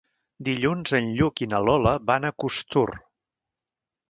Dilluns en Lluc i na Lola van a Costur.